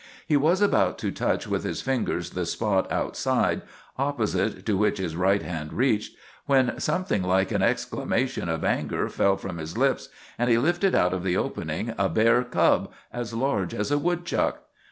He was about to touch with his fingers the spot outside, opposite to which his right hand reached, when something like an exclamation of anger fell from his lips, and he lifted out of the opening a bear cub as large as a woodchuck.